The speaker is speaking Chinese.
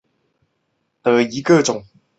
蒙自桂花为木犀科木犀属下的一个种。